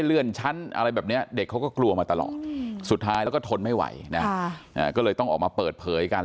เลื่อนชั้นอะไรแบบนี้เด็กเขาก็กลัวมาตลอดสุดท้ายแล้วก็ทนไม่ไหวนะก็เลยต้องออกมาเปิดเผยกัน